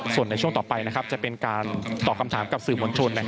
ส่วนในช่วงต่อไปจะเป็นการตอบคำถามกับสื่อมวลชน